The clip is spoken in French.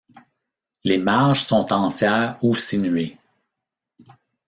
Les marges sont entières ou sinuées.